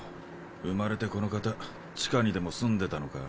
生まれてこの方地下にでも住んでたのか？